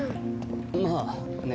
まあね。